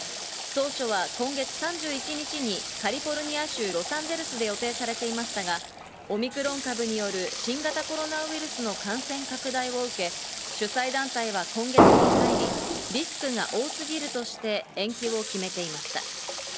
当初は今月３１日にカリフォルニア州ロサンゼルスで予定されていましたが、オミクロン株による新型コロナウイルスの感染拡大を受け、主催団体は今月に入りリスクが多すぎるとして延期を決めていました。